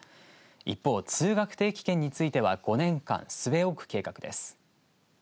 一方通学定期券については５年間据え置く計画です。